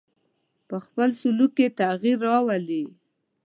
په خپل سلوک کې تغیر راولي.